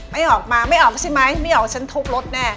ไม่ออกมาไม่ออกใช่ไหมไม่ออกฉันทุบรถแน่